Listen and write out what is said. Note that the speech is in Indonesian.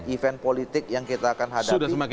event politik yang kita akan hadapi